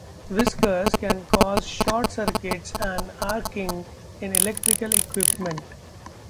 Whiskers can cause short circuits and arcing in electrical equipment.